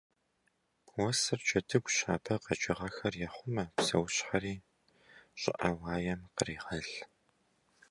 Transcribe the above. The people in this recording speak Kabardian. Уэсыр джэдыгущ: абы къэкӏыгъэхэр ехъумэ, псэущхьэри щӏыӏэ уаем кърегъэл.